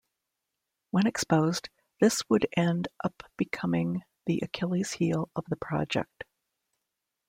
When exposed, this would end up becoming the "Achilles' heel of the project".